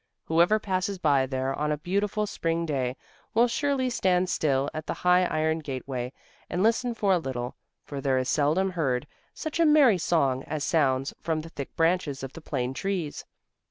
Whoever passes by there on a beautiful Spring day will surely stand still at the high iron gateway and listen for a little, for there is seldom heard such a merry song as sounds from the thick branches of the planetrees.